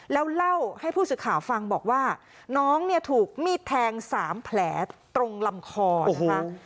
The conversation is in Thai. แล้วเล่าให้ผู้สื่อข่าวฟังบอกว่าน้องเนี่ยถูกมีดแทง๓แผลตรงลำคอนะคะ